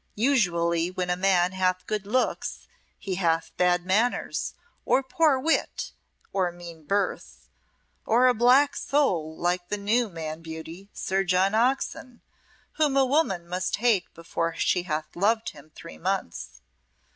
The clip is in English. Usually when a man hath good looks he hath bad manners or poor wit or mean birth, or a black soul like the new man beauty, Sir John Oxon, whom a woman must hate before she hath loved him three months.